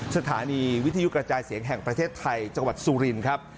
สถานีวิทยุกระจายเสียงแห่งประเทศไทยจังหวัดสุรินครับ